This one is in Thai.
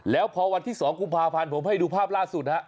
แล้วพอวันที่๒กุมภาพันธ์ผมให้ดูภาพล่าสุดฮะ